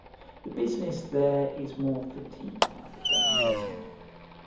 The business there is more fatiguing than pleasant.